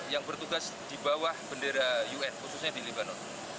yang bertugas di bawah bendera un khususnya di lebanon